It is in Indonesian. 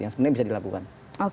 yang sebenarnya bisa dilakukan